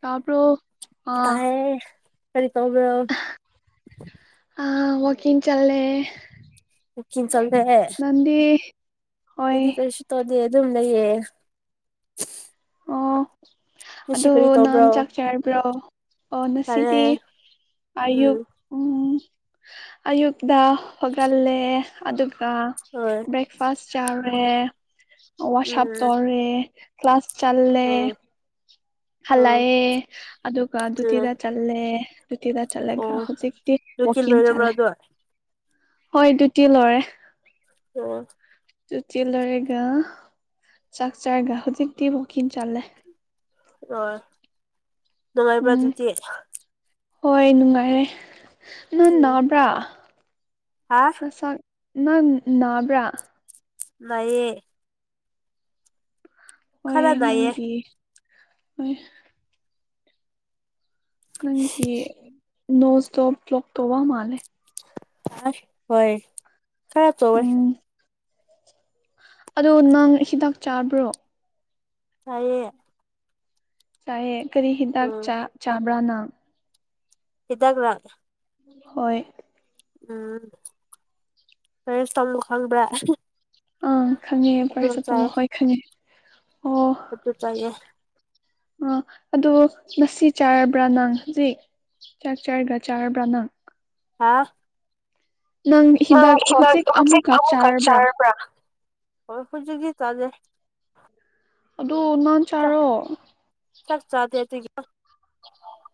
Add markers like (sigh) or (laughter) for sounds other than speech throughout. ꯇꯕꯔꯣ ꯀꯥꯏ ꯀꯔꯤ ꯇꯕꯨ ꯑ ꯋꯥꯀꯤꯡ ꯆꯠꯂꯦ ꯋꯥꯛꯀꯤꯡ ꯆꯠꯂꯦ ꯅꯟꯗꯤ ꯍ ꯗꯤ ꯑꯗꯨꯝ ꯂꯩꯒꯦ ꯉꯁꯤ ꯑꯗꯣ ꯀꯔꯤ ꯅꯍꯥꯟ ꯇꯧꯕ꯭ꯔꯣ ꯆꯥꯛ ꯆꯥꯔꯕ꯭ꯔꯣ ꯑꯣ ꯆꯥꯔꯦ ꯉꯁꯤꯗꯤ ꯑꯌꯨꯛ ꯎꯝ ꯎꯝ ꯑꯌꯨꯛꯇ ꯍꯣꯒꯜꯂꯦ ꯑꯗꯨꯒ ꯍꯣꯏ ꯕ꯭ꯔꯦꯛ ꯐ ꯆꯔꯦ ꯋꯥꯁꯞ ꯎꯝ ꯇꯧꯔꯦ ꯀ ꯀ꯭ꯂꯥꯁ ꯆꯠꯂ ꯎꯝ ꯎꯝ ꯍꯜꯂꯛꯑꯦ ꯑꯗꯨꯒ ꯑꯗꯨꯇꯤꯗ ꯎꯝ ꯆꯜꯂꯦ ꯗ꯭ꯌꯨꯇꯤꯗ ꯆꯠꯂꯒ ꯑꯣ ꯍꯧꯖꯤꯛꯇꯤ ꯗ꯭ꯌꯨꯇꯤ ꯋꯀꯤꯡ ꯂꯣꯏꯔꯕ꯭ꯔꯥ ꯆꯠꯂꯦ ꯑꯗꯣ ꯍꯣꯏ ꯗꯌꯨꯇꯤ ꯂꯣꯏꯔꯦ ꯑꯣ ꯗ꯭ꯌꯨꯇꯤ ꯂꯣꯏꯔꯒ ꯆꯥꯛ ꯆꯥꯔꯒ ꯍꯧꯖꯤꯛꯇꯤ ꯎꯀꯤꯡ ꯆꯠꯂꯦ ꯑꯣ ꯅꯨꯡꯉꯥꯏꯕ꯭ꯔꯥ ꯎꯝ ꯑꯗꯨꯗꯤ ꯍꯣꯏ ꯅꯨꯡꯉꯥꯏꯔꯦ ꯅꯪ ꯎꯝ ꯅꯥꯕ꯭ꯔꯥ ꯍꯥ ꯅꯁꯥꯛ ꯅꯪ ꯅꯥꯕ꯭ꯔꯥ ꯅꯌꯦ ꯍꯣꯏ ꯈꯔ ꯅꯥꯏꯌꯦ ꯅꯪꯒꯤ ꯍꯣꯏ ꯅꯪꯒꯤ ꯅꯣꯁꯇꯣ ꯕ꯭ꯂꯣꯛ ꯇꯧꯕ ꯃꯥꯂꯦ ꯑ ꯍꯣꯏ ꯈꯔ ꯆꯣꯌꯦ ꯎꯝ ꯑꯗꯣ ꯅꯪ ꯍꯤꯗꯥꯛ ꯆꯥꯕ꯭ꯔꯣ ꯇꯥꯏꯌꯦ ꯇꯥꯢꯌꯦ ꯀꯔꯤ ꯍꯤꯗꯥꯛ ꯎꯝ ꯆꯥ ꯆꯥꯕ꯭ꯔ ꯅꯪ ꯍꯤꯗꯥꯛ ꯔꯥꯛ ꯍꯣꯏ ꯎꯝ ꯀꯔꯦ-----ꯈꯪꯕ꯭ꯔꯥ ꯑꯪ ꯈꯪꯉꯦ ꯄ꯭ꯔꯁꯤꯄꯜ ꯍꯣꯏ ꯈꯪꯉꯦ ꯑꯗꯨ ꯆꯥꯏꯌꯦ ꯑ ꯑꯗꯣ ꯉꯁꯤ ꯆꯥꯔꯕ꯭ꯔꯥ ꯅꯪ ꯍꯧꯖꯤꯛ ꯆꯥꯛ ꯆꯔꯒ ꯆꯥꯔꯕ ꯅꯪ ꯍꯥꯥ ꯍꯤꯗꯥꯛ ꯅꯪ ꯍꯤꯗꯥꯛꯇꯨ ꯍꯧꯖꯤꯛ ꯑꯃꯨꯛꯀ ꯑꯃꯨꯛ ꯈꯛ ꯆꯥꯔꯕ꯭ꯔꯥ ꯆꯥꯔꯕ꯭ꯔ ꯍꯧꯖꯤꯛꯗꯤ ꯆꯥꯗꯦ ꯑꯗꯨ ꯅꯟ ꯆꯥꯛ ꯆꯥꯔꯣ ꯆꯥꯛ ꯆꯥꯗꯦ ꯑꯗꯨꯒꯤꯗꯣ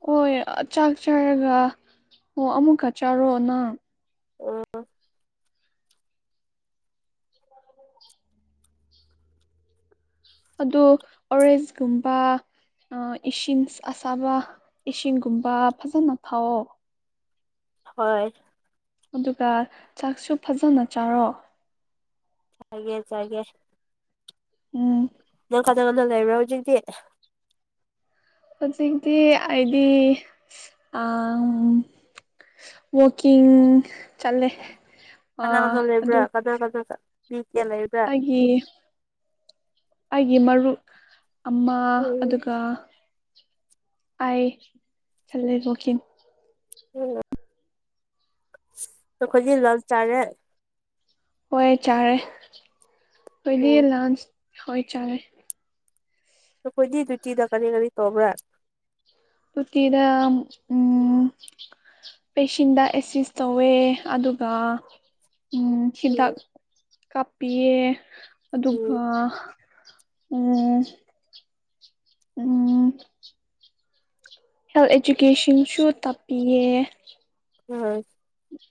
ꯍꯣꯏ ꯆꯥꯛ ꯆꯥꯔꯒ ꯑꯣ ꯑꯃꯨꯛꯀ ꯆꯥꯔꯣ ꯅꯪ ꯑꯣ ꯑꯗꯣ ꯑꯣꯔꯦꯖ ꯀꯨꯝꯕ ꯏꯁꯤꯡ ꯑꯁꯥꯕ ꯏꯁꯤꯡꯒꯨꯝꯕ ꯐꯖꯅ ꯊꯥꯎꯑꯣ ꯍꯣꯏ ꯑꯗꯨꯒ ꯆꯥꯛꯁꯨ ꯐꯖꯅ ꯆꯥꯔꯣ ꯆꯒꯦ ꯆꯒꯦ ꯎꯝ ꯅꯪ ꯀꯅꯥ-ꯀꯅꯥ ꯂꯩꯕ꯭ꯔꯥ ꯍꯧꯖꯤꯛꯇꯤ ꯍꯧꯖꯤꯛꯇꯤ ꯑꯩꯗꯤ ꯑ ꯋꯥꯀꯤꯡ ꯀꯅꯥ-ꯀꯅꯥ ꯂꯩꯕ꯭ꯔꯥ ꯀꯅꯥ-ꯀꯅꯥꯒ ꯃꯤꯒ ꯂꯩꯕ꯭ꯔ ꯐꯤ ꯑꯩꯒꯤ ꯃꯔꯨꯞ ꯑꯃ ꯎꯝ ꯑꯗꯨꯒ ꯑꯩ ꯆꯠꯂꯦ ꯋꯥꯀꯤꯡ ꯎꯝ ꯑꯈꯣꯏꯖꯤ ꯂꯟꯁ ꯆꯥꯔꯦ ꯍꯣꯏ ꯆꯥꯔꯦ ꯎꯝ ꯑꯩꯈꯣꯏꯗꯤ ꯂꯟꯁ ꯍꯣꯏ ꯆꯥꯔꯦ ꯅꯈꯣꯏꯗꯤ ꯗ꯭ꯌꯨꯇꯤꯗ ꯀꯔꯤ ꯀꯔꯤ ꯇꯧꯕ꯭ꯔꯥ ꯇꯨꯇꯤꯅ ꯎꯝ ꯄꯦꯁꯤꯦꯟꯗ ꯑꯦꯁꯤꯁ ꯇꯧꯋꯦ ꯑꯗꯨꯒ ꯎꯝ ꯍꯤꯗꯥꯛ ꯀꯥꯞꯄꯤꯌꯦ ꯑꯗꯨꯒ ꯎꯝ ꯎꯝ ꯎꯝ ꯍꯦꯜꯊ ꯏꯗꯨꯀꯦꯁꯟꯁꯨ ꯇꯥꯛꯄꯤꯌꯦ ꯎꯝ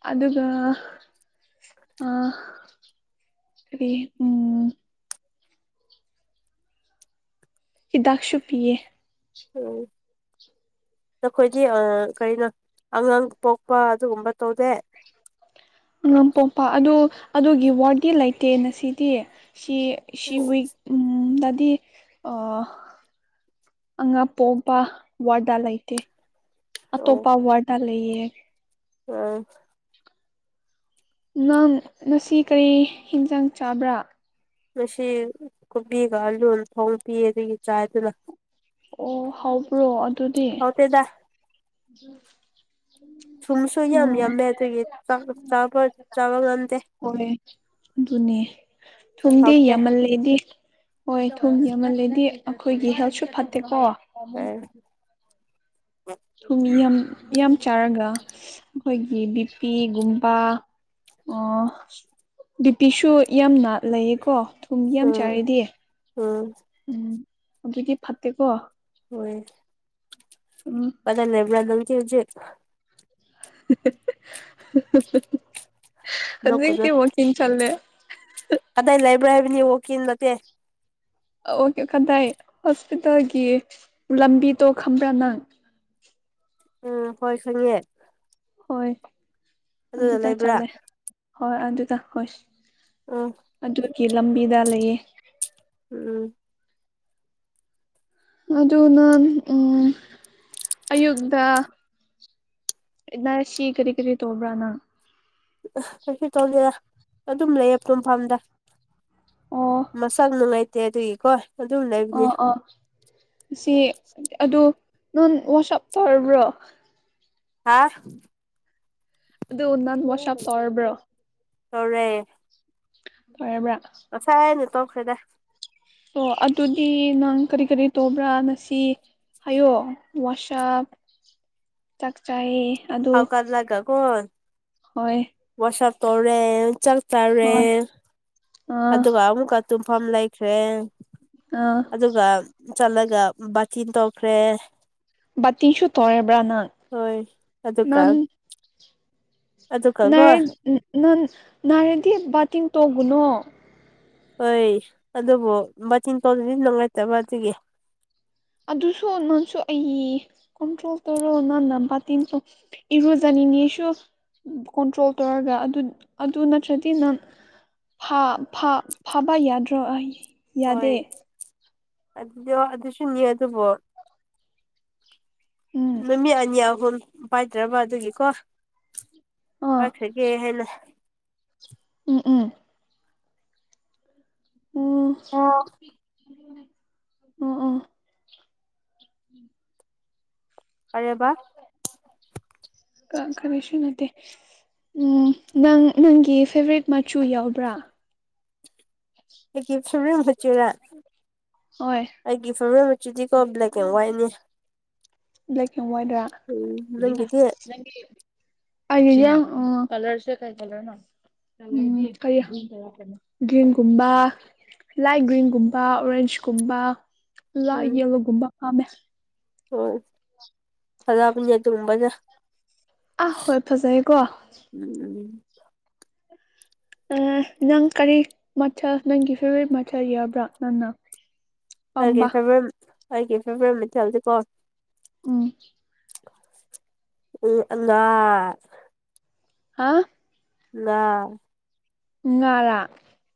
ꯑꯗꯨꯒ ꯑ ꯎꯝ ꯍꯤꯗꯥꯛꯁꯨ ꯄꯤꯌꯦ ꯎꯝ (unintelligible) ꯅꯈꯣꯏꯗꯤ ꯀꯔꯤꯅꯣ ꯑꯉꯥꯡ ꯄꯣꯛꯄ ꯑꯗꯨꯒꯨꯝꯕ ꯇꯧꯗꯦ ꯑꯉꯝ ꯄꯣꯛꯄ ꯑꯗꯨ ꯑꯗꯨꯒꯤ ꯋꯥꯗꯤ ꯂꯩꯇꯦ ꯉꯥꯁꯤꯗꯤ ꯁꯤ ꯁꯤ ꯋꯤꯛ ꯎꯝ ꯗꯗꯤ ꯑ ꯑꯉꯥ ꯄꯣꯛꯄ ꯋꯥꯔꯗ ꯂꯩꯇꯦ ꯑꯇꯣꯞꯄ ꯋꯥꯔꯗ ꯂꯩꯑ ꯎꯝ ꯅꯡ ꯉꯁꯤ ꯀꯔꯤ ꯍꯤꯟꯖꯥꯡ ꯆꯥꯕ꯭ꯔꯥ ꯉꯁꯤ ꯀꯣꯕꯤꯒ ꯑꯂꯨ ꯊꯣꯡꯄꯤ ꯑꯗꯒꯤ ꯆꯥꯏꯗꯨꯅ ꯑꯣ ꯍꯕ꯭ꯔꯣ ꯑꯗꯨꯗꯤ ꯍꯧꯇꯦꯗꯥ ꯊꯨꯝꯁꯨ (unintelligible) ꯌꯥꯝ ꯌꯥꯝꯃꯦ ꯑꯗꯨꯒꯤ ꯎꯝ ꯆꯥꯕ ꯆꯥꯕ ꯉꯝꯗꯦ ꯍꯣꯏ ꯑꯗꯨꯅꯦ ꯊꯨꯝꯗꯤ ꯍꯥꯎꯇꯦ ꯌꯥꯝꯃꯜꯂꯦꯗꯤ ꯍꯣꯏ ꯊꯨꯝ ꯌꯝꯃꯥꯟꯀꯗꯤ ꯑꯩꯈꯣꯏꯒꯤ ꯍꯦꯜꯠꯁꯨ ꯐꯠꯇꯦꯀꯣ ꯎꯝ ꯊꯨꯝ ꯌꯥꯝ ꯌꯥꯝ ꯆꯥꯔꯒ ꯑꯩꯈꯣꯏꯒꯤ ꯕꯤꯄꯤꯒꯨꯝꯕ ꯑꯣ ꯕꯤꯄꯤꯁꯨ ꯌꯥꯝꯅ ꯂꯩꯌꯦꯀꯣ ꯊꯨꯝꯒꯤ ꯌꯥꯝ ꯆꯥꯏꯔꯗꯤ ꯎꯝ ꯎꯝ ꯑꯗꯨꯗꯤ ꯐꯠꯇꯦꯀꯣ ꯍꯣꯏ ꯎꯝ ꯄ ꯅꯦꯕ꯭ꯔꯥ ꯑꯗꯨꯝ ꯀ ꯍꯧꯖꯤꯦ (unintelligible) ꯅꯣꯛꯀꯅꯨ ꯍꯧꯖꯤꯛꯀꯤ ꯋꯥꯀꯤꯡ ꯆꯠꯂꯦ ꯑꯗꯥꯏ ꯂꯩꯕ꯭ꯔꯥ ꯍꯥꯏꯕꯅꯤ ꯋꯥꯜꯀꯤꯟ ꯅꯠꯇꯦ ꯑꯣꯀꯦ ꯀꯗꯥꯏ ꯍꯣꯁꯄꯤꯇꯥꯜꯒꯤ ꯂꯝꯕꯤꯗꯣ ꯈꯝꯕ꯭ꯔꯥ ꯅꯪ ꯎꯝ ꯍꯣꯏ ꯈꯪꯉꯦ ꯍꯣꯏ ꯑꯗꯨꯗ ꯆꯠꯂꯦ ꯍꯣꯏ ꯑꯗꯨꯗ ꯍꯣꯏ ꯎꯝ ꯑꯗꯨꯒꯤ ꯂꯝꯕꯤꯗ ꯂꯩꯌꯦ ꯎꯝ ꯑꯗꯨꯅ ꯎꯝ ꯑꯌꯨꯛꯇ ꯏꯅꯥ ꯁꯤ ꯀꯔꯤ ꯀꯔꯤ ꯇꯧꯕ꯭ꯔꯥ ꯅꯪ ꯀꯩꯁꯨ ꯇꯧꯗꯦꯗ ꯑꯗꯨꯝ ꯂꯩꯌꯦ ꯇꯨꯝꯐꯝꯗ ꯑꯣ ꯃꯁꯥ ꯅꯨꯡꯉꯥꯏꯇꯦ ꯑꯗꯨꯒꯤꯀꯣ ꯑꯗꯨꯝ ꯂꯩ ꯑꯥ ꯑꯥ ꯁꯤ ꯑꯗꯨ ꯅꯪ ꯋꯥꯁꯑꯞ ꯇꯧꯔꯕ꯭ꯔꯣ ꯍꯥꯥ ꯑꯗꯨ ꯅꯒ ꯋꯥꯁꯞ ꯇꯧꯔꯕ꯭ꯔꯣ ꯇꯧꯔꯦ ꯐꯔꯕꯔꯥ ꯑꯁꯥꯏꯅꯦ ꯇꯧꯈ꯭ꯔꯦꯗꯥ ꯑꯣ ꯑꯗꯨꯗꯤ ꯅꯪ ꯀꯔꯤ ꯀꯔꯤ ꯇꯧꯕ꯭ꯔꯥ ꯉꯁꯤ ꯍꯥꯏꯌꯣ ꯋꯥꯁꯞ ꯆꯥꯛꯆꯥꯥꯏ ꯍꯧꯖꯠ ꯂꯒꯥꯀꯣ ꯍꯣꯏ ꯋꯥꯁꯞ ꯇꯧꯔꯦ ꯆꯥꯛ ꯆꯔꯦ ꯍꯣꯏ ꯑꯥ ꯑꯗꯨꯒ ꯑꯃꯨꯛꯀ ꯇꯨꯝꯐꯝ ꯂꯩꯈ꯭ꯔꯦ ꯑꯥ ꯑꯗꯨꯒ ꯆꯠꯂꯒ ꯕꯥꯇꯤꯟ ꯇꯧꯈ꯭ꯔꯦ ꯕꯥꯇꯤꯟ ꯁꯨ ꯇꯧꯔꯕꯔꯥ ꯍꯣꯏ ꯑꯗꯨꯒ ꯅꯪ ꯑꯗꯨꯒꯀꯣ ꯅꯪ ꯅꯥꯏꯔꯗꯤ ꯕꯥꯇꯤꯡ ꯇꯧꯒꯨꯅꯣ ꯍꯣꯏ ꯑꯗꯨꯕꯨ ꯕꯥꯇꯤꯟ ꯇꯧꯗꯨꯗꯤ ꯅꯨꯡꯉꯥꯏꯇꯕ ꯑꯗꯨꯒꯤ ꯑꯗꯨꯁꯨ ꯅꯪꯁꯨ ꯑꯩꯒꯤ ꯀꯟꯇ꯭ꯔꯣꯜ ꯇꯧꯔꯣ ꯅꯪꯅ ꯕꯥꯇꯤꯟꯁꯨꯣ ꯏꯔꯨꯖꯅꯤꯡꯉꯤꯁꯨ ꯀꯣꯟꯇ꯭ꯔꯣꯜ ꯇꯧꯔꯒ ꯑꯗꯨ ꯅꯠꯇ꯭ꯔꯗꯤ ꯅꯪ ꯐꯥꯕ ꯌꯥꯗ꯭ꯔꯣ ꯑꯩ ꯍꯣꯏ ꯌꯥꯗꯦ ꯑꯗꯨꯗꯣ ꯑꯗꯨꯁꯨꯅꯤ ꯑꯗꯨꯕꯨꯣ ꯎꯝ ꯅꯨꯃꯤꯠ ꯑꯅꯤ ꯑꯍꯨꯝ ꯄꯥꯏꯗ꯭ꯔꯕ ꯑꯗꯨꯒꯤꯀꯣ ꯑꯥ ꯄꯁꯒꯤ ꯍꯂ ꯎꯝ ꯎꯝ ꯑꯣ ꯑ ꯑꯣ ꯑꯣ ꯎꯝ ꯄꯔꯦꯕ ꯀ ꯈꯔꯁꯨ ꯅꯠꯇ ꯎ ꯅꯪ ꯅꯪꯒꯤ ꯐꯦꯕꯣꯔꯦꯠ ꯃꯆꯨ ꯌꯥꯎꯕ꯭ꯔꯥ ꯑꯩꯒꯤ ꯐꯦꯕꯔꯤ ꯃꯆꯨꯔ ꯍꯣꯏ ꯑꯩꯒꯤ ꯐꯦꯕ ꯃ ꯗꯤꯀꯣ ꯕ꯭ꯂꯦꯛ ꯀ ꯋꯥꯏꯅꯦ ꯕ꯭ꯂ ꯑꯦ ꯋꯥꯏꯠ ꯔ ꯑꯩꯗꯤ ꯀꯂꯔꯁꯦ ꯀꯩ ꯀꯂꯔ ꯅ ꯀꯪ ꯒ꯭ꯔꯤꯟꯒꯨꯝꯕ ꯂꯥꯏꯠ ꯒ꯭ꯔꯤꯟꯒꯨꯝꯕ ꯑꯣꯔꯦꯟꯖꯀꯨꯝꯕ ꯂ ꯎꯝ ꯌꯦ ꯂꯨꯒꯨꯞꯕ ꯐꯥꯃꯦ ꯍꯣꯏ ꯐꯗꯅꯦ ꯑꯗꯨꯒꯨꯝꯕꯖ ꯑꯥ ꯍꯣꯏ ꯐꯖꯩꯌꯦꯦꯀꯣ ꯎꯝ ꯎꯝ ꯅꯪ ꯀꯔꯤ ꯃꯊꯜ ꯅꯪꯒꯤ ꯐꯦꯚꯣꯔꯥꯏꯠ ꯃꯊꯜ ꯌꯥꯕ꯭ꯔꯥ ꯅꯪꯅ ꯄꯥꯝꯕ ꯑꯩꯒꯤ (unintelligible) ꯗꯤꯀꯣ ꯎꯝ ꯎꯝ ꯑꯉꯥ ꯍꯥ ꯉꯥ ꯉꯥꯔꯥ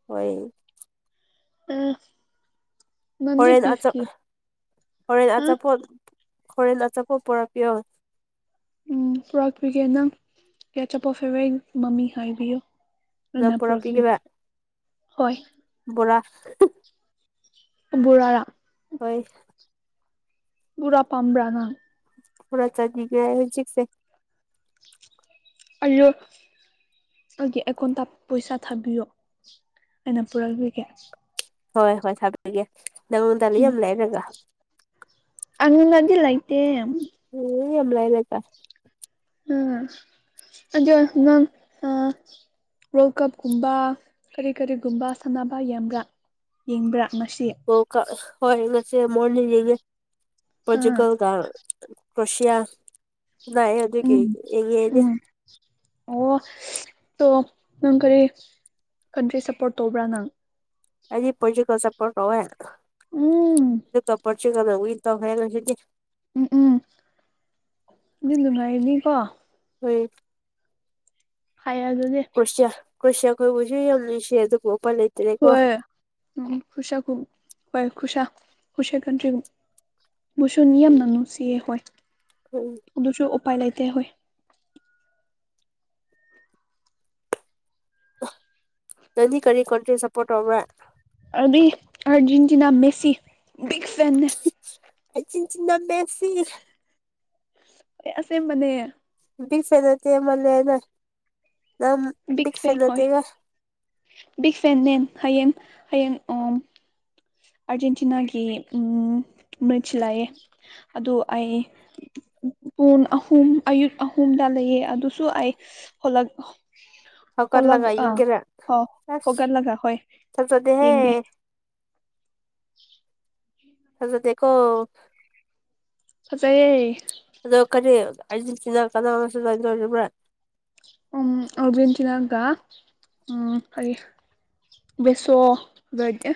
ꯍꯣꯏ ꯎꯝ ꯅꯪꯗꯤ ꯍꯣꯔꯦꯟ ꯕꯤꯐꯀꯤ ꯍꯣꯔꯦꯟ ꯍꯥ ꯑꯆꯥꯄꯣꯠ ꯍꯣꯔꯦꯟ ꯑꯆꯥꯄꯣꯠ ꯄꯨꯔꯛꯄꯤꯌꯣ ꯎꯝ ꯄꯨꯔꯥꯛꯄꯤꯒꯦ ꯅꯪ ꯀꯌꯥ ꯑꯆꯥꯄꯣꯠ ꯐꯦꯕꯣꯔꯥꯢꯠ ꯃꯃꯤꯡ ꯍꯥꯏꯕꯤꯌꯣ ꯅꯪ ꯑꯩꯅꯥ ꯄꯨꯔꯛꯄꯤꯒꯦꯔꯥ ꯄꯨꯔꯛꯄꯤꯒꯦ ꯍꯣꯢ ꯕꯣꯔꯥ ꯕꯣꯔꯥꯔꯥ ꯍꯣꯏ ꯕꯨꯔꯥ ꯄꯥꯝꯕ꯭ꯔꯥ ꯅꯪ ꯕꯨꯔꯥ ꯆꯥꯅꯤꯡꯉꯦ ꯍꯧꯖꯤꯛꯁꯦ ꯑꯜꯂꯨ ꯑꯗꯨꯒꯤ ꯑꯦꯀꯣꯟꯇ ꯄꯩꯁꯥ ꯊꯥꯕꯤꯌꯣ ꯑꯩꯅ ꯄꯨꯔꯛꯄꯤꯒꯦ ꯍꯣꯏ ꯍꯣꯏ ꯊꯕꯤꯒꯦ ꯅꯪꯉꯣꯟꯗ ꯌꯥꯝ ꯂꯩꯔꯒ ꯑꯪꯉꯣꯟꯗꯗꯤ ꯂꯩꯇꯦ ꯎꯝ ꯌꯥꯝ ꯂꯥꯏꯕꯀ ꯎꯝ ꯑꯗꯨ ꯅꯪ ꯑ ꯋꯥꯔꯜ ꯀꯞꯀꯨꯝꯕ ꯀꯔꯤ ꯀꯔꯤꯒꯨꯝꯕ ꯁꯥꯟꯅꯕ ꯌꯦꯡꯕ꯭ꯔꯥ ꯌꯦꯡꯕ꯭ꯔꯥ ꯉꯁꯤ ꯑꯣ ꯍꯣꯏ ꯉꯁꯤ ꯃꯣꯔꯅꯤꯡ ꯌꯦꯉꯤ ꯑꯥ ꯄꯣꯔꯇꯨꯀꯜ ꯀ ꯀ꯭ꯔꯣꯁꯤꯌꯥ ꯒ ꯎꯝ ꯎꯝ ꯑꯣ ꯇꯣ ꯅꯪ ꯀꯔꯤ ꯀꯟꯇ꯭ꯔꯤ ꯁꯞꯄꯣꯔꯠ ꯇꯧꯕ꯭ꯔꯥ ꯅꯪ ꯑꯩꯗꯤ ꯄꯣꯔꯇꯨꯒꯜ ꯁꯞꯄꯣꯔꯠ ꯇꯧꯋꯦ ꯎꯝ ꯑꯗꯨ ꯄꯣꯔꯇꯨꯒꯜꯅ ꯋꯤꯟ ꯇꯧꯈ꯭ꯔꯦ ꯉꯁꯤꯗꯤ ꯎꯝ ꯎꯝ ꯑꯗꯨ ꯅꯨꯡꯉꯥꯏꯅꯤꯀꯣ ꯍꯣꯏ ꯍꯥꯏ ꯑꯗꯨꯗꯤ ꯀ꯭ꯔꯣꯁꯤꯌꯥ ꯀ꯭ꯔꯣꯁꯤꯌꯥ ꯀꯣꯏꯕꯨꯁꯨ ꯌꯥꯝ ꯅꯨꯡꯁꯤ ꯑꯗꯨ ꯎꯄꯥꯏ ꯂꯩꯇꯦ ꯍꯣꯏ ꯎꯝ ꯀ꯭ꯔꯣꯁꯤꯌꯥ ꯍꯣꯏ ꯈꯨꯁ ꯀ꯭ꯔꯣꯁꯤꯌꯥ ꯀꯟꯇ꯭ꯔꯤ ꯃꯁꯨ ꯌꯥꯝꯅ ꯅꯨꯡꯁꯤꯌꯦ ꯍꯣꯏ ꯎꯝ ꯑꯗꯨꯁꯨ ꯎꯄꯥꯏ ꯂꯩꯇꯦ ꯍꯣꯏ ꯅꯡꯗꯤ ꯀꯔꯤ ꯀꯣꯟꯇ꯭ꯔꯤ ꯁꯄꯣꯔ꯭ꯠ ꯇꯧꯕ꯭ꯔ ꯑꯩꯗꯤ ꯑꯔꯖꯦꯟꯇꯤꯅꯥ ꯃꯦꯁꯤ ꯕꯤꯒ ꯐꯦꯟꯅꯦ ꯑꯩꯥꯔꯖꯦꯟꯇꯤꯅ ꯃꯦꯁꯤ ꯑꯦ ꯑꯁꯦꯡꯕꯅꯦ ꯕꯤꯒ ꯐꯦꯟ ꯅꯇꯦ ꯃꯜꯂꯦꯗ ꯕꯤꯒ ꯐꯦꯟ ꯍꯣꯏ ꯅꯠꯇꯦꯒ ꯕꯤꯒ ꯐꯦꯟ ꯅꯦ ꯍꯌꯦꯡ ꯍꯌꯦꯡ ꯑꯣ ꯑꯥꯔꯖꯦꯟꯇꯤꯅꯥꯒꯤ ꯃ꯭ꯔꯤꯆ ꯂꯩꯑꯦ ꯑꯗꯨ ꯑꯩ ꯄꯣꯡ ꯑꯍꯨꯝ ꯑꯌꯨꯛ ꯑꯍꯨꯝꯗ ꯂꯩꯑꯦ ꯑꯗꯨꯁꯨ ꯑꯩ ꯍꯣꯂꯛ ꯍꯣꯂꯛ ꯍꯧꯒꯠꯂꯒ ꯑꯥ ꯌꯦꯡꯒꯦꯔꯥ ꯍ ꯑꯁ ꯍꯣꯒꯠꯂꯒ ꯍꯣꯏ ꯌꯦꯡꯒꯦ ꯊꯥꯖꯗꯦꯍꯦ (inaudible) ꯊꯥꯖꯗꯦꯀꯣ ꯐꯖꯩꯌꯦ ꯑꯗꯣ ꯀꯔꯤ ꯑꯔꯖꯦꯟꯇꯤꯅ ꯀꯅꯥ ꯁꯥꯅꯗꯧꯔꯤꯕ꯭ꯔꯥ ꯎꯝ ꯑꯔꯖꯦꯟꯇꯤꯅꯥꯒ ꯎꯝ ꯀꯔꯤ ꯕꯦꯁꯣ ꯕꯔꯗꯤ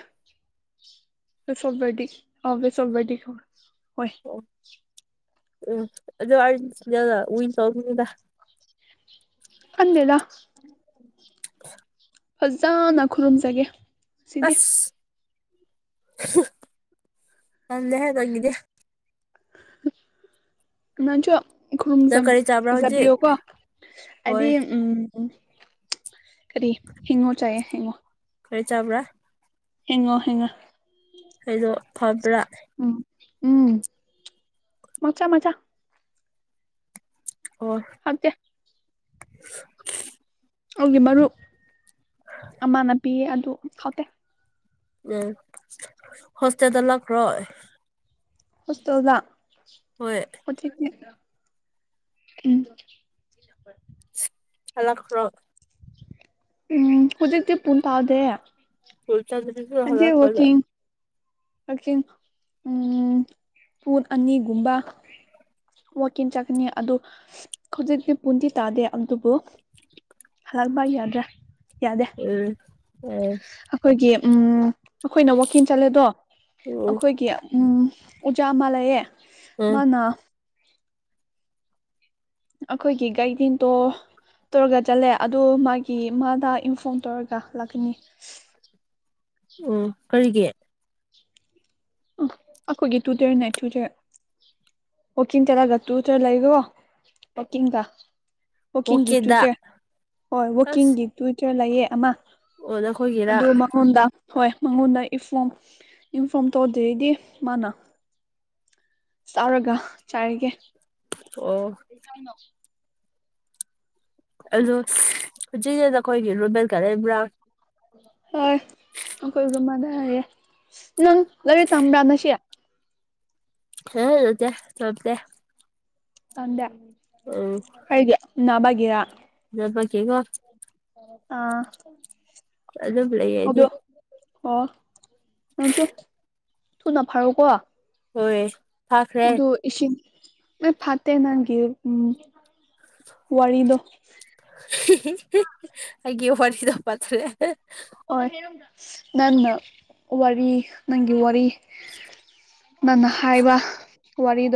ꯁꯣꯕꯗꯤ ꯑꯕꯦꯁꯣꯕꯗꯤ ꯈ ꯍꯣꯏ ꯎ ꯎꯏ ꯆꯧꯗ ꯑꯗꯦꯗ ꯗꯤꯗ ꯐꯖꯅ ꯈꯨꯔꯨꯝꯖꯒꯦ ꯁꯤꯗꯤ ꯑꯁ ꯅꯦ ꯍꯗꯒꯗꯌꯥ ꯃ ꯆ ꯅꯪ ꯀꯔꯤ ꯆꯥꯕ꯭ꯔꯥ ꯍꯧꯖꯤꯛ ꯈꯨꯔꯨꯝꯖꯖꯕꯤꯌꯣ ꯀꯣ ꯍꯥꯏꯗꯤ ꯍꯣꯏ ꯎꯝ ꯎꯝ ꯀꯔꯤ ꯍꯤꯡꯉꯣ ꯆꯥꯏꯌꯦ ꯍꯤꯡꯉꯣ ꯈꯔ ꯆꯥꯕ꯭ꯔꯥ ꯍꯡꯉꯣ ꯍꯦꯉꯣ ꯑꯩꯗꯣ ꯐꯕ꯭ꯔꯥ ꯎꯝ ꯎꯝ ꯃꯆꯥ ꯃꯆꯥ ꯑꯣ ꯑꯗ ꯎ ꯑꯗꯨꯒꯤ ꯃꯔꯨꯞ ꯑꯃꯥꯟꯅꯕꯤ ꯑꯗꯨ ꯈꯥꯎꯇꯦ ꯎꯝ ꯍꯣꯁꯇꯦꯜꯗ ꯂꯈ꯭ꯔꯣ ꯄꯨꯗ ꯍꯣꯏ ꯑꯣ ꯎꯝ ꯐꯂꯛꯈ꯭ꯔꯣ ꯎꯝ ꯍꯧꯖꯤꯛꯇꯤ ꯐꯟ ꯇꯥꯎꯗꯦ ꯐꯜ ꯆꯥꯗꯔꯤꯁꯨ ꯍꯂ ꯀꯂ ꯀꯛꯆꯤꯡ ꯎꯝ ꯄꯨꯠ ꯑꯅꯤꯒꯨꯝꯕ ꯋꯥꯋꯀꯤꯡ ꯆꯠꯅꯤ ꯑꯗꯨ ꯍꯧꯖꯤꯛꯇꯤ ꯄꯨꯟꯗꯤ ꯇꯥꯗꯦ ꯑꯗꯨꯕꯨ ꯍꯒꯕꯒ ꯌꯥꯗ꯭ꯔꯥ ꯌꯥꯗꯦ ꯎꯝ ꯑꯦ ꯑꯩꯈꯣꯏꯒꯤ ꯎꯝ ꯑꯩꯈꯣꯏꯅ ꯋꯀꯤꯡ ꯆꯠꯂꯦꯗꯣ ꯎꯝ ꯑꯩꯈꯣꯏꯒꯤ ꯑꯣꯖꯥ ꯑꯃ ꯂꯩꯌꯦꯦ ꯎꯝ ꯃꯥꯅ ꯑꯩꯈꯣꯏꯒꯤ ꯒꯥꯏꯗꯤꯦꯟꯗꯣ ꯇꯧꯔꯒ ꯆꯠꯂꯦ ꯑꯗꯣ ꯃꯥꯒꯤ ꯃꯥꯗ ꯏꯟꯐꯣꯔꯝ ꯇꯧꯔꯒ ꯂꯥꯛꯀꯅꯤ ꯑꯣ ꯀꯔꯤꯒꯤ ꯑ ꯑꯩꯈꯣꯏꯒꯤ ꯇꯨ ꯗꯦꯌꯔꯅꯦꯠ ꯇꯨ ꯗꯦꯌꯔ ꯑꯣ ꯀꯀꯤꯤꯟ ꯇꯔꯒ ꯎꯆ꯭ꯔꯂ ꯏꯒꯣ ꯋꯥꯋꯀꯤꯡꯗ ꯋꯥꯋꯀꯤꯡꯒꯤ ꯇꯨ ꯑꯣꯀꯦꯗ ꯗꯦ ꯍꯣꯏ ꯑꯁ ꯋꯥꯋꯀꯤꯡꯒꯤ ꯇꯨꯋꯇꯔ ꯂꯩꯌꯦ ꯑꯃ ꯑꯣ ꯅꯈꯣꯏꯒꯤꯔꯥ ꯑꯗꯨ ꯃꯉꯣꯟꯗ ꯍꯣꯏ ꯃꯉꯣꯟꯗ ꯏꯐꯣꯔꯝ ꯏꯟꯐꯣꯔꯝ ꯇꯧꯗ꯭ꯩꯗꯤ ꯃꯥꯅ ꯆꯥꯎꯔꯒ ꯆꯥꯔꯤꯒꯦ ꯑꯣ ꯀꯅꯣ ꯑꯜꯂꯣ ꯍꯧꯖꯤꯛꯁꯗ ꯑꯩꯈꯣꯏꯒꯤ ꯔꯣꯕꯦꯜ ꯒꯥꯔ ꯂꯩꯕ꯭ꯔꯥ ꯍꯣꯏ ꯑꯩꯈꯣꯏ ꯃꯥꯗ ꯍꯥꯏꯌꯦꯦ ꯅꯪ ꯂꯥꯏꯔꯤꯛ ꯇꯝꯕ꯭ꯔꯥ ꯅ ꯁꯤ ꯍꯖ ꯆꯣꯇꯦ ꯀꯗꯦ ꯍꯗꯤ ꯅꯕꯒꯤꯔ ꯕ ꯀꯦꯒꯣ ꯑꯗꯨꯝ ꯂꯩꯌꯦ ꯑꯩꯗꯤ ꯑꯥꯗ ꯑꯣ ꯅ ꯆ ꯇꯨ ꯅꯐꯔꯨ ꯀꯣ ꯍꯣꯏ ꯐꯥꯈ꯭ꯔꯦ ꯏꯁꯤꯡ ꯍꯣꯏ ꯐꯠꯇꯦ ꯅꯪꯒꯤ ꯎ ꯋꯥꯔꯤꯗꯣ ꯑꯩꯒꯤꯦ ꯋꯥꯔꯤꯔꯗ ꯄꯠꯇꯂꯦ ꯍꯣꯏ ꯅꯪꯅ ꯋꯥꯔꯤ ꯅꯪꯒꯤ ꯋꯥꯔꯤ ꯅꯪꯅ ꯍꯥꯏꯕ ꯋꯥꯔꯤꯗꯣ